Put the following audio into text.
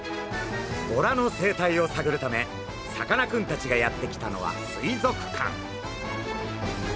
ボラの生態をさぐるためさかなクンたちがやって来たのは水族館。